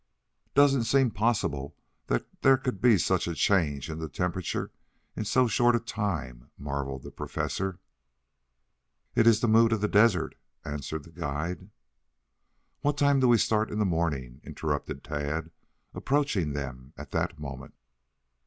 "Doesn't seem possible that there could be such a change in the temperature in so short a time," marveled the Professor. "It is the mood of the desert," answered the guide. "What time do we start in the morning?" interrupted Tad, approaching them at that moment.